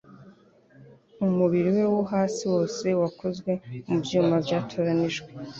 Umubiri we wo hasi wose wakozwe mubyuma byatoranijwe